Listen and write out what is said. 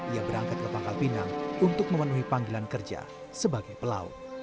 ia berangkat ke pangkal pinang untuk memenuhi panggilan kerja sebagai pelaut